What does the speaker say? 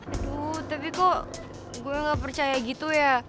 aduh tapi kok gue gak percaya gitu ya